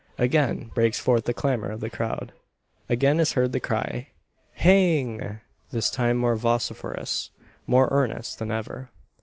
Again breaks forth the clamour of the crowd. Again is heard the cry, "Hang!" this time more vociferous, more earnest, than ever.